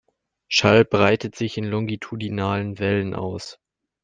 Schall breitet sich in longitudinalen Wellen aus.